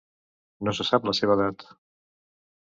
No se sap la seva edat.